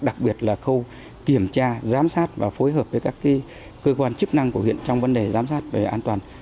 đặc biệt là khâu kiểm tra giám sát và phối hợp với các cơ quan chức năng của huyện trong vấn đề giám sát về an toàn